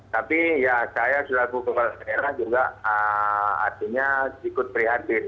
tapi ya saya sudah kukulera juga artinya ikut prihatin